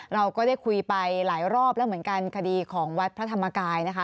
เราก็ได้คุยไปหลายรอบแล้วเหมือนกันคดีของวัดพระธรรมกายนะคะ